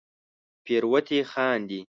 پیروتې خاندې